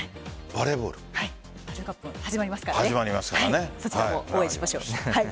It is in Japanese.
ワールドカップ始まりますからそちらも応援しましょう。